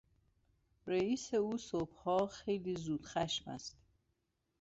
رئیس او صبحها خیلی زود خشم است.